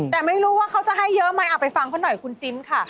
แต่ไม่รู้ว่าเขาจะให้เยอะไหมเอาไปฟังเขาหน่อยคุณซิมค่ะ